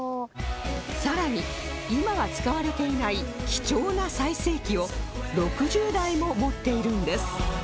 さらに今は使われていない貴重な再生機を６０台も持っているんです